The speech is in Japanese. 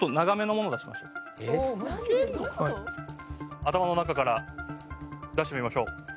頭の中から出してみましょう。